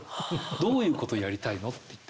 「どういうことをやりたいの？」って言って。